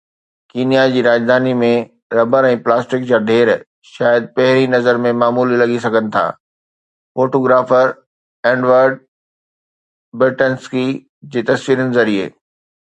Kenya جي راڄڌاني ۾ rubber ۽ plastic جا ڍير شايد پهرين نظر ۾ معمولي لڳي سگهن ٿا فوٽوگرافر ايڊورڊ برٽينسڪي جي تصويرن ذريعي.